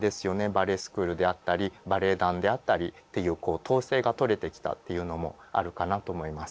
バレエスクールであったりバレエ団であったりっていうこう統制がとれてきたっていうのもあるかなと思います。